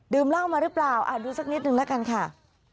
เหล้ามาหรือเปล่าดูสักนิดนึงแล้วกันค่ะ